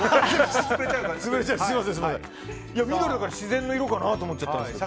緑だから自然の色かなと思っちゃったんだけど。